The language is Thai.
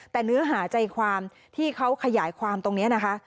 แต่เนื้อหาใจความที่เขาขยายความตรงนี้นะคะ